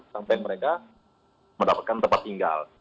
sampai mereka mendapatkan tempat tinggal